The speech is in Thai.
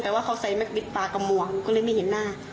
แต่ว่าเขาใส่แม็กบิดปากมัวก็เลยไม่เห็นหน้า